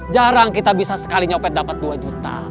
jarang kita bisa sekali nyopet dapat dua juta